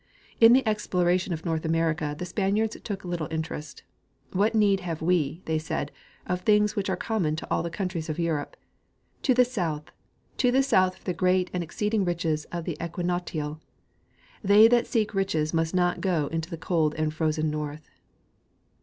In the exploration of North America the Spaniards took little interest. " What need have we," they said, " of things which are common to all the countries of Europe — to the south, to the south for the great and exceeding riches of the equinoctial j they that seek riches must not go into the cold and frozen north.''